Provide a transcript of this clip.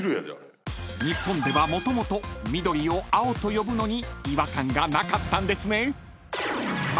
［日本ではもともと緑を青と呼ぶのに違和感がなかったんですね］